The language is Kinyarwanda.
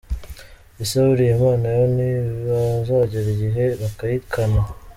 Ese buriya Imana yo ntibazagera igihe bakayikana?.